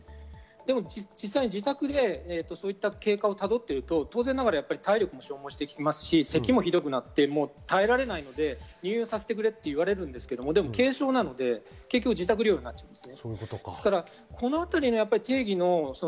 実際自宅でそういった経過をたどっていると体力も消耗してきますし、咳もひどくなって耐えられないので入院させてくれと言われるんですが軽症なので結局、自宅療養になってしまいます。